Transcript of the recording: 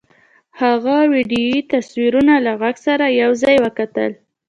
هغه ویډیويي تصویرونه له غږ سره یو ځای وکتل